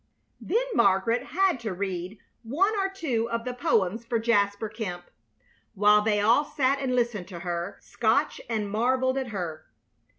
Then Margaret had to read one or two of the poems for Jasper Kemp, while they all sat and listened to her Scotch and marveled at her.